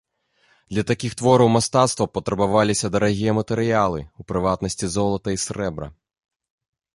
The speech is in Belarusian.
Для такіх твораў мастацтва патрабаваліся дарагія матэрыялы, у прыватнасці золата і срэбра.